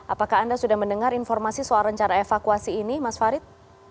apakah anda sudah mendengar informasi soal rencana evakuasi ini mas farid